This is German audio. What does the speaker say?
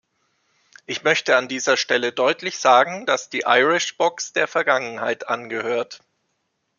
Ich möchte an dieser Stelle deutlich sagen, dass die Irish Box der Vergangenheit angehört.